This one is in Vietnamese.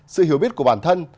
sự hiểu biết của bản thân